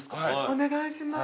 お願いします。